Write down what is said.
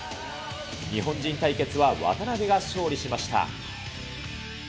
日本人対決は渡邊が勝利しました。